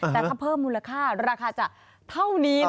แต่ถ้าเพิ่มมูลค่าราคาจะเท่านี้